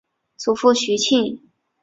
祖父徐庆。